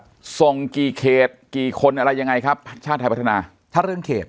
ส่งกี่เขตกี่คนอะไรยังไงครับชาติไทยพัฒนาถ้าเรื่องเขต